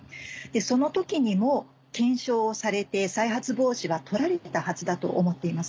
その時にも検証をされて再発防止は取られてたはずだと思っています。